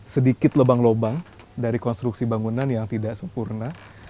sedikit lubang lubang dari konstruksi bangunan yang tidak sempurna